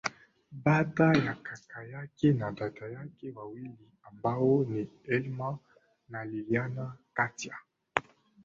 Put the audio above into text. Baada ya kaka yake ana dada wawili ambao ni Elma na Liliana Cátia